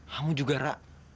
kamu juga ra